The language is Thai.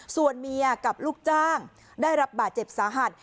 ส่วนเมียกับลูกจ้างได้รับบาดเจ็บสาหัส